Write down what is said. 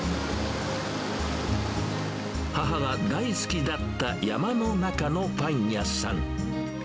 母が大好きだった山の中のパン屋さん。